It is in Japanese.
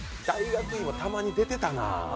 大学芋、たまに出てたな。